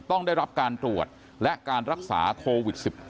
ต้องได้รับการตรวจและการรักษาโควิด๑๙